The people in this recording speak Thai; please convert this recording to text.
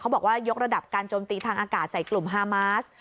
บอกว่ายกระดับการโจมตีทางอากาศใส่กลุ่มฮามาส